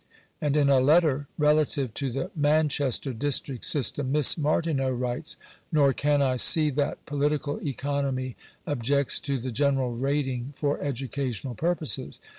"* And in a letter relative to the Manchester district system, Miss Martineau writes —" Nor can I see that political economy objects to the general rating for educational purposes.